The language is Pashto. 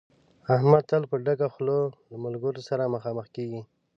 احمد تل په ډکه خوله له ملګرو سره مخامخ کېږي.